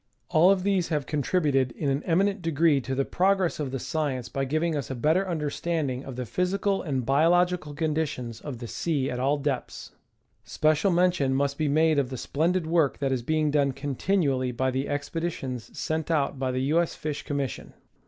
All of these have contributed in an eminent degree to the progress of the science by giving us a better understanding of the physical and biological conditions of the sea at all depths. Special mention must be made of the splendid work that is being done continually by the expeditions sent out by the TJ. S. Fish Commission.